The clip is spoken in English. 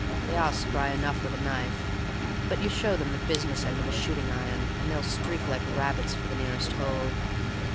They are spry enough with a knife, but you show them the business end of a shooting iron, and they'll streak like rabbits for the nearest hole.